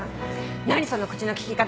何その口の利き方。